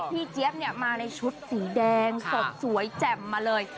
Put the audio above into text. เจี๊ยบมาในชุดสีแดงสดสวยแจ่มมาเลย